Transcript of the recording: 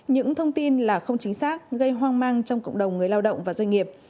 những thông tin là không chính xác gây hoang mang trong cộng đồng người lao động và doanh nghiệp